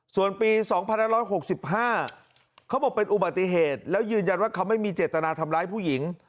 ส่วนปี๒๑๖๕เขาบอกเป็นอุบัติเหตุแล้วยืนยันว่าเขาไม่มีเจตนาทำร้ายผู้หญิง